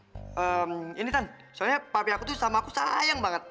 hmm ini kan soalnya papi aku tuh sama aku sayang banget